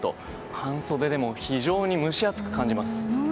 半袖でも非常に蒸し暑く感じます。